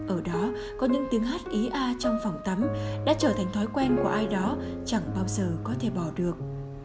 ở đó có những tiếng hát ý a trong phòng tắm đã trở thành thói quen của ai đó chẳng bao giờ có thể bỏ được